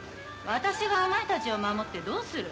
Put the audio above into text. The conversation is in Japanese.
私がお前たちを守ってどうする。